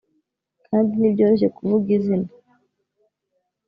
kandi ntibyoroshye kuvuga izina